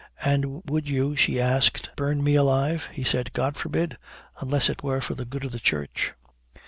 'And would you,' she asked, 'burn me alive?' He said, 'God forbid! unless it were for the good of the Church.'"